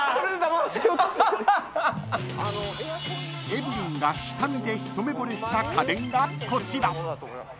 ［エブリンが下見で一目ぼれした家電がこちら］